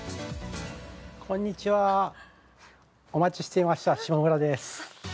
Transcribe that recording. こんにちは、お待ちしていました、下村です。